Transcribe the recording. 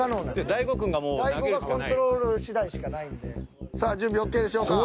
大悟がコントロールしだいしかないんで。さあ準備ＯＫでしょうか？